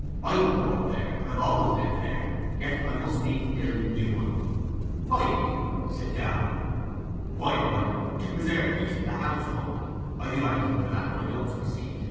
I was born there, and have always lived there; yet I must needs build a new one.' 'Why do you?' said Downe. 'Why do I? To preserve peace in the household. I do anything for that; but I don't succeed.